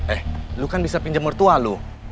eh lu kan bisa pinjam mertua lo